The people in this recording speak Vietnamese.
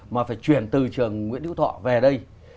mà phải chuyển từ trường nguyễn đức thọ về đây